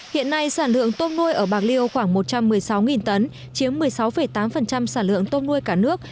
hiện nay sản lượng tôm nuôi ở bạc liêu khoảng một trăm một mươi sáu tấn chiếm một mươi sáu tám sản lượng tôm nuôi cả nước